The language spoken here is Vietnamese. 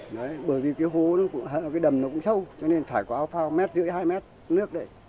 bởi vì cái hố cái đầm nó cũng sâu cho nên phải có áo phao mét rưỡi hai mét nước đấy